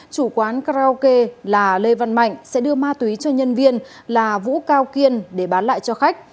chủ quán karaoke là lê văn mạnh sẽ đưa ma túy cho nhân viên là vũ cao kiên để bán lại cho khách